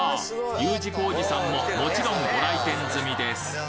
Ｕ字工事さんももちろんご来店済みです。